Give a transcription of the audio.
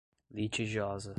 litigiosa